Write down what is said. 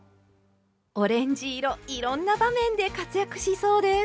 オレンジ色いろんな場面で活躍しそうです。